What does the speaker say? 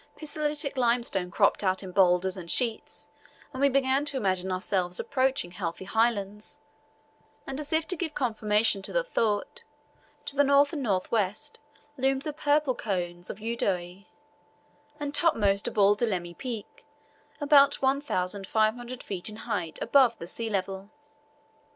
Pisolitic limestone cropped out in boulders and sheets, and we began to imagine ourselves approaching healthy highlands, and as if to give confirmation to the thought, to the north and north west loomed the purple cones of Udoe, and topmost of all Dilima Peak, about 1,500 feet in height above the sea level.